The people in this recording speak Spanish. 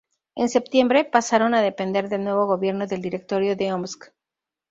En septiembre pasaron a depender del nuevo Gobierno del Directorio de Omsk.